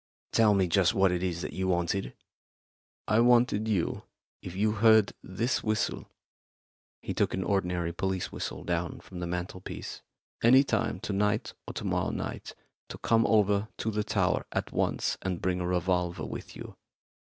"Tell me just what it is that you wanted." "I wanted you if you heard this whistle" he took an ordinary police whistle down from the mantelpiece "any time to night or to morrow night, to come over to the tower at once and bring a revolver with you.